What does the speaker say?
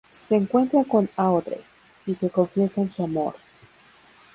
Se encuentra con Audrey, y se confiesan su amor.